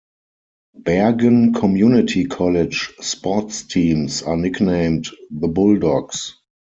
Bergen Community College sports teams are nicknamed the Bulldogs.